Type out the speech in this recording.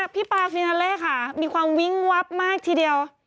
พี่ปาฟินาเล่ค่ะมีความวิ้งวับมากทีเดียว